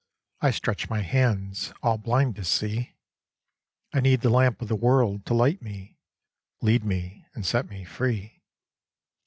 I stretch my hands, all blind to see : I need the lamp of the world to light me, Lead me and set me free.